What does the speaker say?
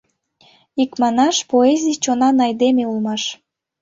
Икманаш, поэзий чонан айдеме улмаш.